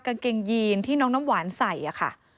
กางเกงยีนที่น้องน้ำหวานใส่ค่ะ